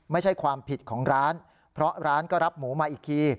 ไม่ใช่ความผิดของร้านเพราะร้านก็รับหมูมาอีกที